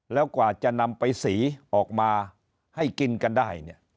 แล้วกว่าจะนำไปสีออกมาให้กินกันได้เนี่ย